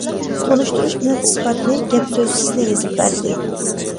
تونۇشتۇرۇش بىلەن ئىسپاتنى گەپ سۆزسىزلا يېزىپ بەردى.